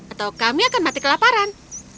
atau kami akan mati kelaparan